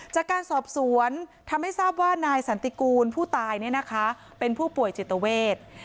จากการสอบสวนทำให้ทราบว่านายสันติกูลผู้ตายเป็นผู้ป่วยจิตเวท